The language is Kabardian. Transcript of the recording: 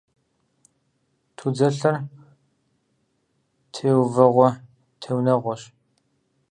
Тудзэлъэр теувэгъуэ теунэгъуэщ.